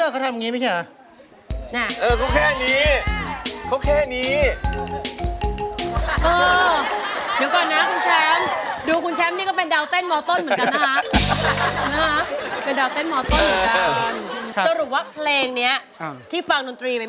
ข้อคิดรันเป้าหมาย